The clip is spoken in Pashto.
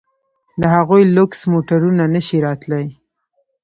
د هغوی لوکس موټرونه نه شي راتلای.